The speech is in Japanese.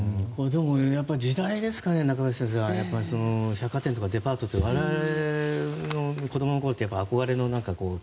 時代ですかね、中林先生百貨店とかデパートとか我々の子供のころは憧れのね。